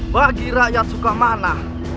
bagi rakyat sukamana